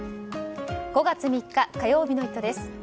５月３日火曜日の「イット！」です。